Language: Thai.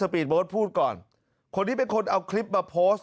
ปีดโบ๊ทพูดก่อนคนนี้เป็นคนเอาคลิปมาโพสต์